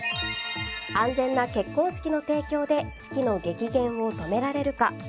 安全な結婚式の提供で式の激減を止められるか。